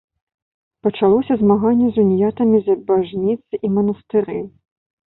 Пачалося змаганне з уніятамі за бажніцы і манастыры.